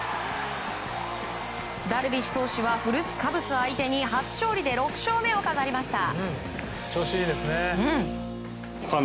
ダルビッシュ投手は古巣カブス相手に初勝利で６勝目を飾りました。